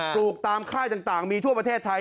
ลูกตามค่ายต่างมีทั่วประเทศไทย